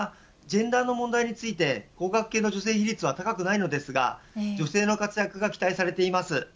また、ジェンダーの問題について工学系の女性比率は高くないのですが女性の活躍が期待されています。